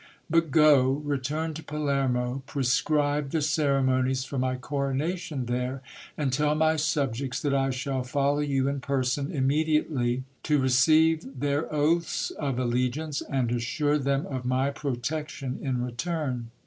But go, return to Palermo, pre scribe the ceremonies for my coronation there, and tell my subjects that I shall follow you in person immediately, to receive their oaths of allegiance, and assure them of my protection in return.